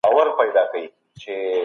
صنعتي تبادله د ټیکنالوژۍ پرمختګ راوړي.